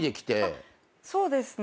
あっそうですね。